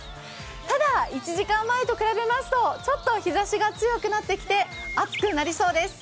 ただ、１時間前と比べますと、ちょっと日差しが強くなってきて暑くなりそうです。